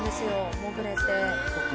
潜れて。